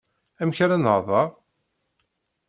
Amek ara nehdeṛ?